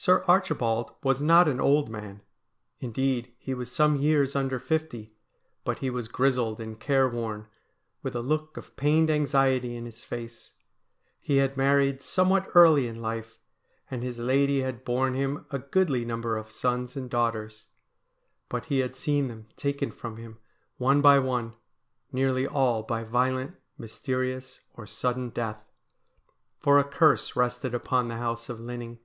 Sir Archibald was not an old man ; indeed, he was some years under fifty, but he was grizzled and careworn, with a look of pained anxiety in his face. He had married some what early in life, and his lady had borne him a goodly number of sons and daughters. But he had seen them taken from him one by one, nearly all by violent, mysterious, or sudden death ; for a curse rested upon the house of Linning.